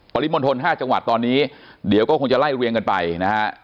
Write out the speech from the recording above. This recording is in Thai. ปริมณฑล๕จังหวัดตอนนี้เดี๋ยวก็คงจะไล่เรียงกันไปนะฮะ